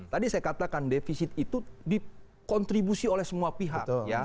tadi saya katakan defisit itu dikontribusi oleh semua pihak